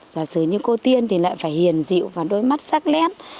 giả sử như cô tiên thì lại phải hiền dịu và đôi mắt sắc lét